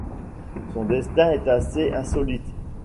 Son destin est assez insolite.